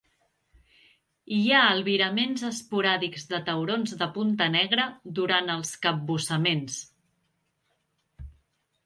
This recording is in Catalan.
Hi ha albiraments esporàdics de taurons de punta negra durant els capbussaments.